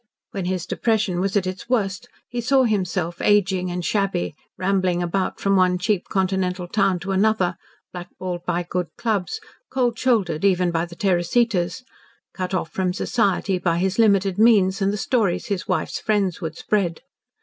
When his depression was at its worst, he saw himself aging and shabby, rambling about from one cheap Continental town to another, blackballed by good clubs, cold shouldered even by the Teresitas, cut off from society by his limited means and the stories his wife's friends would spread.